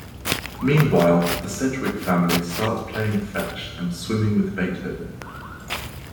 Meanwhile, the Sedgewick family start playing fetch and swimming with Beethoven.